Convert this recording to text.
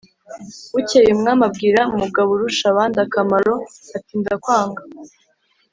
bukeye umwami abwira mugaburushabandakamaro ati:ndakwanga